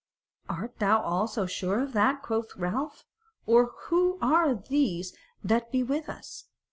"Art thou all so sure of that?" quoth Ralph, "or who are these that be with us?